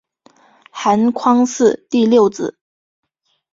韩匡嗣第六子。